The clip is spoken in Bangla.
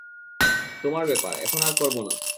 তোমার ব্যাপারে, এখন আর করবো না।